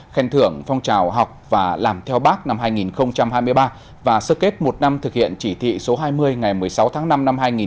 khen thưởng phong trào học và làm theo bác năm hai nghìn hai mươi ba và sơ kết một năm thực hiện chỉ thị số hai mươi ngày một mươi sáu tháng năm năm hai nghìn hai mươi ba